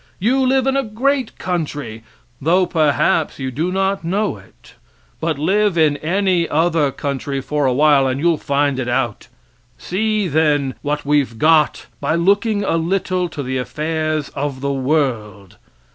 You live in a great country, though perhaps you do not know it. But live in any other country for a while, and you'll find it out. See, then, what we've got by looking a little to the affairs of the world!